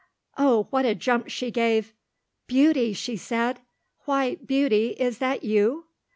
Oh what a jump she gave. "Beauty," she said, "why, Beauty, is that you?"